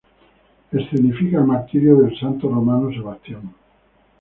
Escenifica el martirio del santo romano Sebastián.